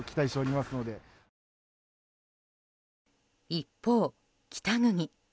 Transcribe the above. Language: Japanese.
一方、北国。